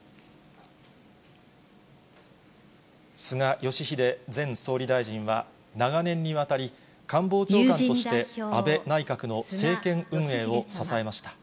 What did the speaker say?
菅義偉前総理大臣は、長年にわたり、官房長官として、安倍内閣の政権運営を支えました。